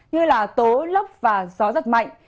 như là tố lấp và gió giật mạnh